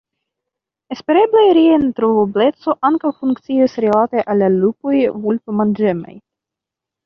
Espereble, ria netrovebleco ankaŭ funkcios rilate al la lupoj vulpmanĝemaj.